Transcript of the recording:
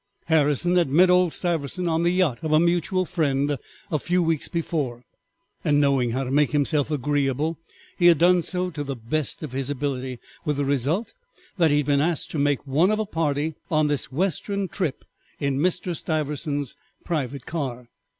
Harrison had met old Stiversant on the yacht of a mutual friend a few weeks before, and knowing how to make himself agreeable he had done so to the best of his ability, with the result that he had been asked to make one of a party on this western trip in Mr. Stiversant's private car.